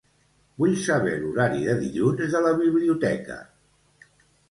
Vull saber l'horari de dilluns de la biblioteca.